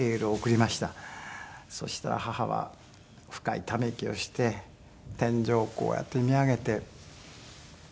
そしたら母は深いため息をして天井をこうやって見上げて。